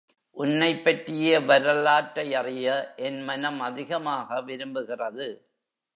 உன்னைப் பற்றிய வரலாற்றை அறிய என் மனம் அதிகமாக விரும்புகிறது.